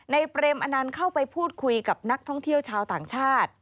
เปรมอนันต์เข้าไปพูดคุยกับนักท่องเที่ยวชาวต่างชาติ